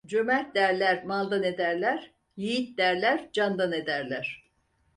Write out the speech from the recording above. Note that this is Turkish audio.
Cömert derler maldan ederler, yiğit derler candan ederler.